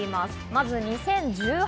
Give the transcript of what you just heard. まず２０１８年。